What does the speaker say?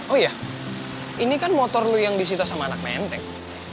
oh iya ini kan motor yang disita sama anak menteng